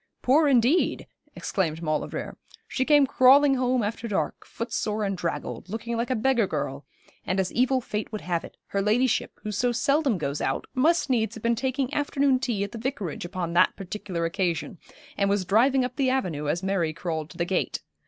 'Poor, indeed!' exclaimed Maulevrier. 'She came crawling home after dark, footsore and draggled, looking like a beggar girl, and as evil fate would have it, her ladyship, who so seldom goes out, must needs have been taking afternoon tea at the Vicarage upon that particular occasion, and was driving up the avenue as Mary crawled to the gate.